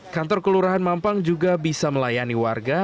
kantor kelurahan mampang juga bisa melayani warga